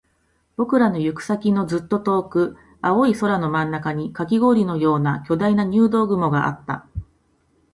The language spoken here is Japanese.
僕らの行く先のずっと遠く、青い空の真ん中にカキ氷のような巨大な入道雲があった